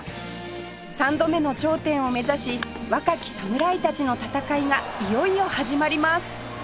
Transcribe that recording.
３度目の頂点を目指し若き侍たちの戦いがいよいよ始まります